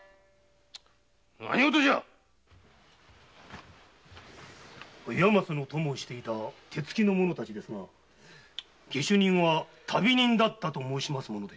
何事じゃ⁉岩松の供をしていた者たちですが下手人は旅人だったと申しますもので。